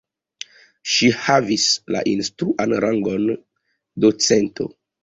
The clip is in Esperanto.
Ŝi havis la instruan rangon docento.